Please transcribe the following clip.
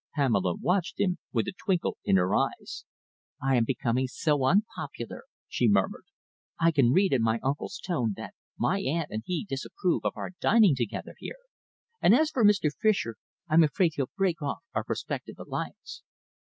Pamela watched him with a twinkle in her eyes. "I am becoming so unpopular," she murmured. "I can read in my uncle's tone that my aunt and he disapprove of our dining together here. And as for Mr. Fischer. I'm afraid he'll break off our prospective alliance."